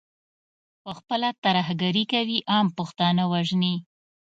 پخپله ترهګري کوي، عام پښتانه وژني.